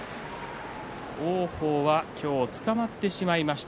王鵬は今日、つかまってしまいました